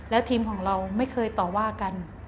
แล้วทีมของเราไม่เคยต่อว่ากัน